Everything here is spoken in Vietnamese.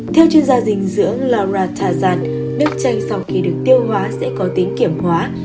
theo chuyên gia dinh dưỡng laura tarzan nước chanh sau khi được tiêu hóa sẽ có tính kiểm hóa